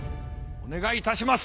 お願いいたします。